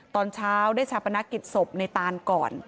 ตอนเช้าได้ชาปนกิจศพในตานก่อน